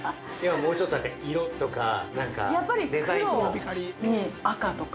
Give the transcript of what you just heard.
もうちょっと、色とか、なんかデザインとか。